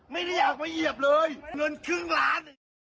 ไม่ได้อยากไปเหยียบเลยเงินครึ่งล้าน